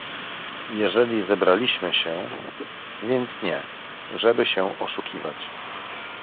"Jeżeli zebraliśmy się, więc nie, żeby się oszukiwać."